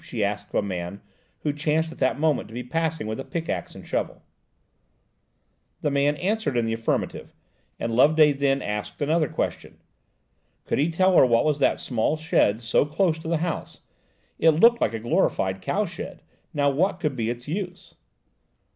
she asked of a man, who chanced at that moment to be passing with a pickaxe and shovel. NORTH CAPE HOUSE. The man answered in the affirmative, and Loveday then asked another question: could he tell her what was that small shed so close to the house–it looked like a glorified cowhouse–now what could be its use?